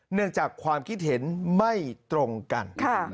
จากความคิดเห็นไม่ตรงกัน